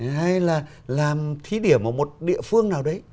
hay là làm thí điểm ở một địa phương nào đấy